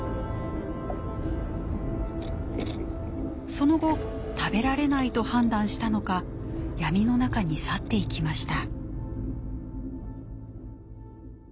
その後食べられないと判断したのか闇の中に去っていきました。